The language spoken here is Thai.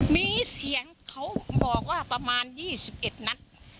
มีเสียงเขาบอกว่าประมาณยี่สิบเอ็ดนัก